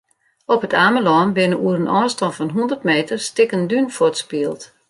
Op It Amelân binne oer in ôfstân fan hûndert meter stikken dún fuortspield.